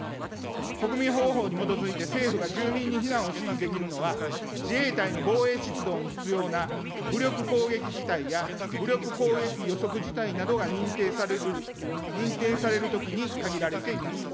国民保護法に基づいて、政府が住民に避難を指示できるのは自衛隊の防衛出動に必要な武力攻撃事態や、武力攻撃予測事態などが認定されるときに限られています。